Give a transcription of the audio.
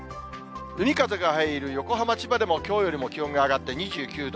海風が入る横浜、千葉でも、きょうよりも気温が上がって２９度。